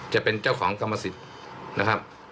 จะเป็นเจ้าของกรรมสิทธิ์นะครับ